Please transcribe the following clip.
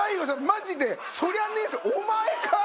マジでそりゃねえぞお前かい！